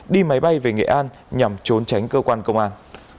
đi máy bay về nghệ an nhằm trốn tránh cơ quan công an